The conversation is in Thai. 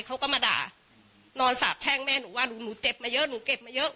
เขาก็มาด่านอนสาบแช่งแม่หนูว่าหนูหนูเจ็บมาเยอะหนูเก็บมาเยอะ